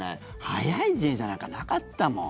速い自転車なんかなかったもん。